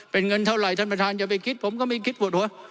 เป็นเงินเท่าไหร่ท่านประธานอย่าไปคิดผมก็ไม่คิดปวดหัว